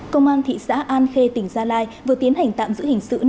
công an thị xã an khê tỉnh gia lai vừa tiến hành tạm giữ hình sự